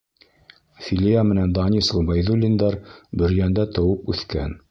Филиә менән Данис Ғөбәйҙуллиндар Бөрйәндә тыуып үҫкән.